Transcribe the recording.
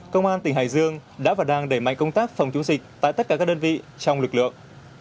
công an tỉnh hải dương đã và đang đẩy mạnh công tác phòng chống dịch tại tất cả các đơn vị trong lực lượng